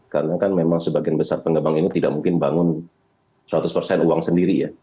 karena kan memang sebagian besar pengembang ini tidak mungkin bangun seratus persen uang sendiri ya